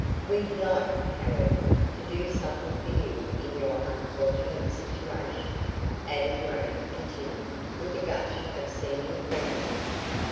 "We'd like, however, to do something for you in your unfortunate situation," Addie Graham continued with a gush of seeming friendliness.